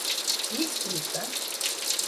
Viski lütfen.